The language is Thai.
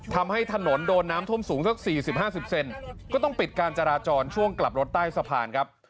ทำให้ถนนโดนน้ำท่วมสูงสัก๔๐๕๐เซนก็ต้องปิดการจราจรช่วงกลับรถใต้สะพานครับ